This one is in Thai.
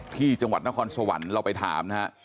ที่จังหวัดนครสวรรค์เราไปถามนะฮะ